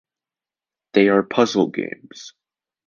They are puzzle games.